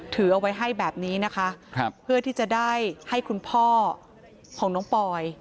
ถือเอาไว้ให้แบบนี้นะคะเพื่อที่จะได้ให้คุณพ่อของน้องปอย